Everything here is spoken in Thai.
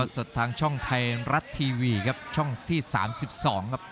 สดทางช่องไทยรัฐทีวีครับช่องที่๓๒ครับ